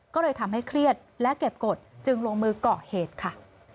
ก็เลยทำให้เครียดและเก็บกฎจึงลงมือก่อเหตุค่ะ